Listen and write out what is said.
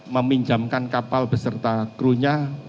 meminjamkan kapal beserta kru nya